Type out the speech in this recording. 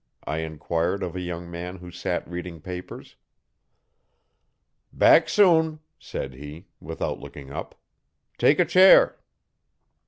I enquired of a young man who sat reading papers. 'Back soon,' said he, without looking up. 'Take a chair.'